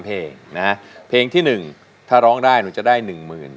เพลงนะฮะเพลงที่๑ถ้าร้องได้หนูจะได้หนึ่งหมื่น